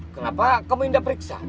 kenapa kamu tidak periksa